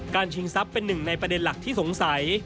ชิงทรัพย์เป็นหนึ่งในประเด็นหลักที่สงสัย